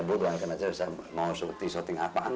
bu doangkan aja mau shorting shorting apaan